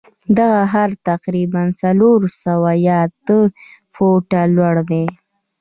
دغه هرم تقریبآ څلور سوه یو اتیا فوټه لوړ دی.